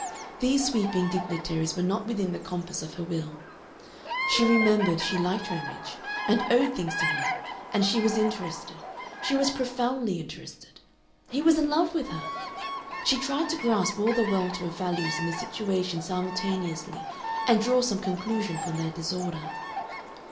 These sweeping dignities were not within the compass of her will; she remembered she liked Ramage, and owed things to him, and she was interested she was profoundly interested. He was in love with her! She tried to grasp all the welter of values in the situation simultaneously, and draw some conclusion from their disorder.